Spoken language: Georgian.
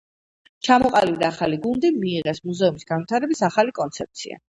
ჩამოყალიბდა ახალი გუნდი, მიიღეს მუზეუმის განვითარების ახალი კონცეფცია.